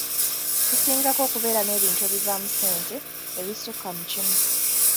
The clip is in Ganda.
Kisingako okubeera n'ebintu ebivaamu ssente ebisukka mu kimu.